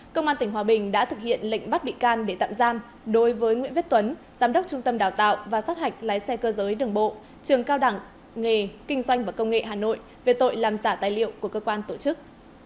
công an tỉnh hòa bình đã thực hiện lệnh bắt bị can để tạm giam đối với nguyễn viết tuấn giám đốc trung tâm đào tạo và sát hạch lái xe cơ giới đường bộ trường cao đẳng nghề kinh doanh và công nghệ hà nội về tội làm giả tài liệu của cơ quan tổ chức